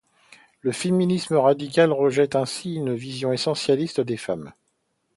Le féminisme radical rejette ainsi une vision essentialiste des femmes.